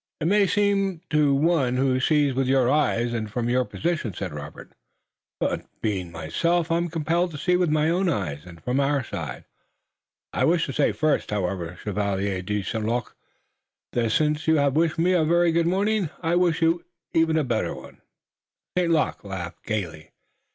"It may seem so to one who sees with your eyes and from your position," said Robert, "but being myself I'm compelled to see with my own eyes and from our side. I wish to say first, however, Chevalier de St. Luc, that since you have wished me a very good morning I even wish you a better." St. Luc laughed gayly.